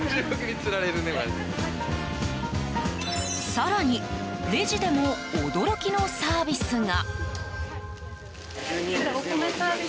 更に、レジでも驚きのサービスが。